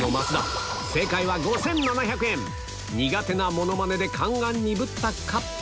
苦手なモノマネで勘が鈍ったか？